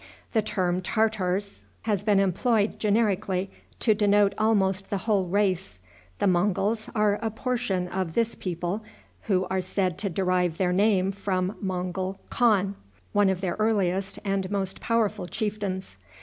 The term Tartars has been employed generically to denote almost the whole race. The Monguls are a portion of this people, who are said to derive their name from Mongol Khan, one of their earliest and most powerful chieftains.